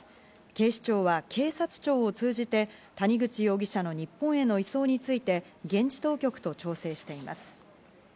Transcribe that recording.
警視庁は、警察庁を通じて谷口容疑者の日本への移送について現地当局と調整しています。